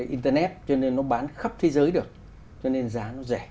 internet cho nên nó bán khắp thế giới được cho nên giá nó rẻ